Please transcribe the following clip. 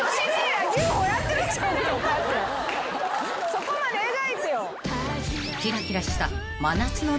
そこまで描いてよ。